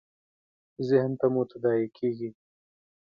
ذهن ته مو تداعي کېږي .